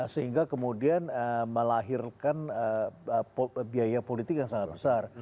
sehingga kemudian melahirkan biaya politik yang sangat besar